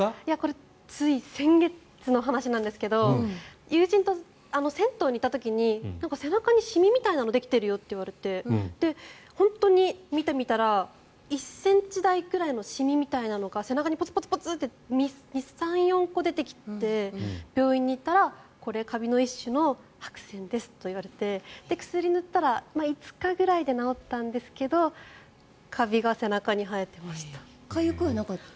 つい先月の話なんですけど友人と銭湯に行った時に背中にシミみたいのできてるよって言われて本当に、見てみたら１ｃｍ大くらいのシミみたいなのが背中にポツポツポツって３４個出てきて病院に行ったら、カビの一種の白せんですと言われて薬を塗ったら５日くらいで治ったんですがかゆくはなかった？